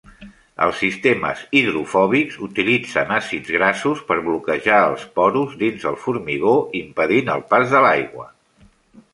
Els sistemes hidrofòbics utilitzen àcids grassos per bloquejar els porus dins el formigó, impedint el pas de l'aigua.